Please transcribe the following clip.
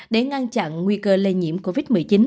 để ngăn chặn nguy cơ lây nhiễm covid một mươi chín